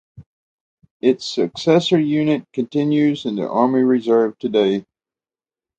Its successor unit continues in the Army Reserve today.